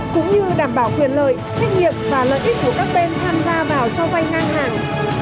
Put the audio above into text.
cũng như đảm bảo quyền lợi trách nhiệm và lợi ích của các bên tham gia vào cho vay ngang hàng